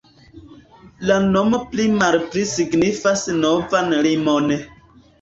La nomo pli-malpli signifas "novan limon".